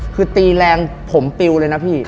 คือตีแรงผมปิลเลย